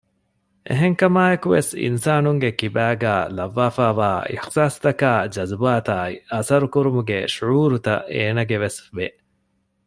އެހެންކަމާއެކު ވެސް އިންސާނުންގެ ކިބައިގައި ލައްވައިފައިވާ އިޙުސާސްތަކާއި ޖަޒުބާތާއި އަސަރުކުރުމުގެ ޝުޢޫރުތައް އޭނާގެ ވެސް ވެ